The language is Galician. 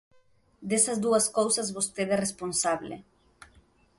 Desas dúas cousas vostede é responsable.